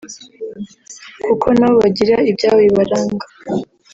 kuko nabo bagira ibyabo bibaranga